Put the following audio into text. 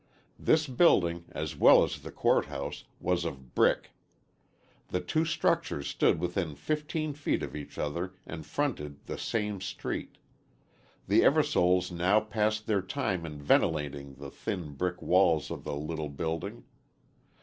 This building, as well as the court house, was of brick. The two structures stood within fifteen feet of each other and fronted the same street. The Eversoles now passed their time in ventilating the thin brick walls of the little building.